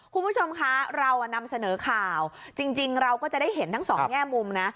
คุณผู้ชมคะเรานำเสนอข่าวจริงเราก็จะได้เห็นทั้งสองแง่มุมนะ